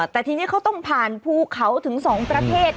แต่ทีนี้เขาต้องผ่านภูเขาถึง๒ประเทศ